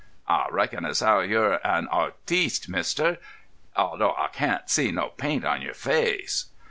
"Ah reckon as 'ow you're an artiste, mister, although Ah can't see no paint on yer face."